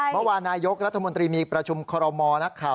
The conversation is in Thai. เมื่อวานนี้นายกรัฐมนตรีมีประชุมคอรมอนักข่าว